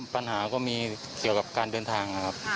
ปัญหาก็มีเกี่ยวกับการเดินทางนะครับ